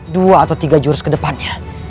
dua atau tiga jurus ke depannya